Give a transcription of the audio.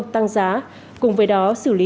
tăng giá cùng với đó xử lý